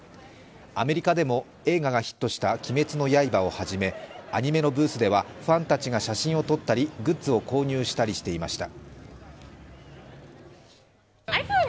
アメリカでも映画がヒットした「鬼滅の刃」をはじめアニメのブースでは、ファンたちが写真を撮ったりグッズを購入したりしていました。